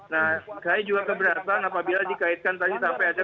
nah saya juga keberatan apabila dikaitkan tadi sampai ada